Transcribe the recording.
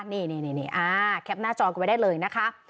นี่แคปหน้าจอกันไว้ได้เลยนะคะ